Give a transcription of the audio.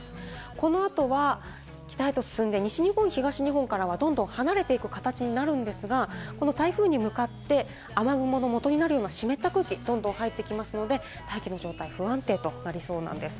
この後は北へと進んで西日本、東日本からはどんどん離れていく形になるんですが、この台風に向かって、雨雲のもとになるような湿った空気がどんどん入ってきますので、大気の状態が不安定となりそうなんです。